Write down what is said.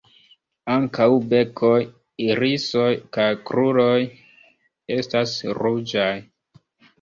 Ankaŭ bekoj, irisoj kaj kruroj estas ruĝaj.